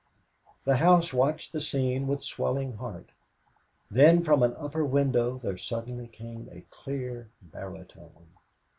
The house watched the scene with swelling heart. Then from an upper window, there suddenly came a clear baritone.